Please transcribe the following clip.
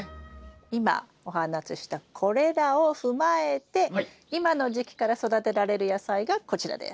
今お話ししたこれらを踏まえて今の時期から育てられる野菜がこちらです。